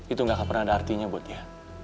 itu gak pernah ada artinya buat dia